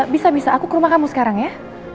bisa bisa aku ke rumah kamu sekarang ya